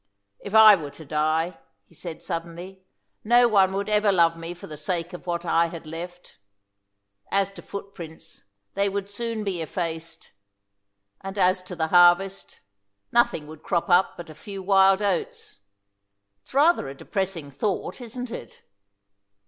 "If I were to die," he said suddenly, "no one would ever love me for the sake of what I had left. As to footprints, they would soon be effaced; and as to the harvest, nothing would crop up but a few wild oats. It's rather a depressing thought, isn't it?"